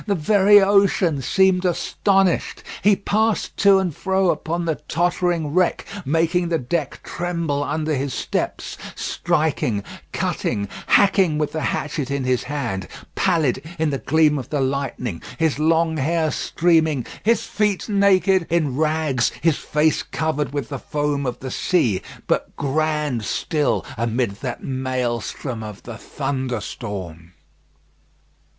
The very ocean seemed astonished. He passed to and fro upon the tottering wreck, making the deck tremble under his steps, striking, cutting, hacking with the hatchet in his hand, pallid in the gleam of the lightning, his long hair streaming, his feet naked, in rags, his face covered with the foam of the sea, but grand still amid that maelstrom of the thunderstorm.